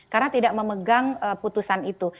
karena tidak memegang keputusan itu